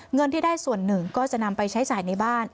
เงินที่ได้ส่วนหนึ่งก็จะนำไปใช้จ่ายในบ้าน